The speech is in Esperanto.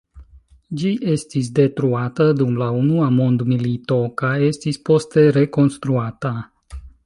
Ĝi estis detruata dum la Unua Mondmilito kaj estis poste rekonstruata.